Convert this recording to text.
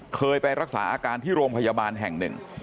เคยไปรักษาอาการที่โรงพยาบาลแห่งหนึ่ง